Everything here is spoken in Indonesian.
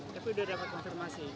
tapi udah dapat konfirmasi